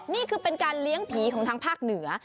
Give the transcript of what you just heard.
นี่คือเป็นการเลี้ยงผีของทางภาคเหนือ